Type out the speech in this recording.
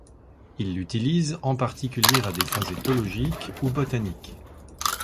Il l'utilise en particulier à des fins éthologiques ou botaniques.